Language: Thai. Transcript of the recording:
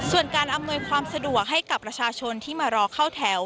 ส่วนการอำนวยความสะดวกให้กับประชาชนที่มารอเข้าแถว